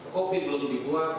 kopi belum dibuat